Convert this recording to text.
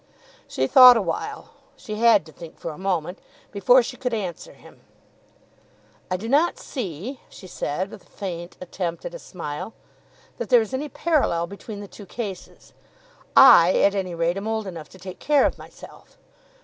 She thought awhile, she had to think for a moment, before she could answer him. "I do not see," she said, with a faint attempt at a smile, "that there is any parallel between the two cases. I, at any rate, am old enough to take care of myself.